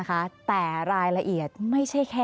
สวัสดีครับทุกคน